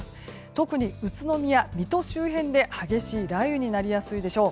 特に宇都宮、水戸周辺で激しい雷雨になりやすいでしょう。